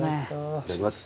いただきます。